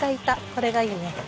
これがいいね。